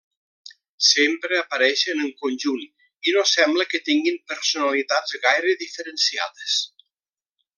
Sempre apareixen en conjunt i no sembla que tinguin personalitats gaire diferenciades.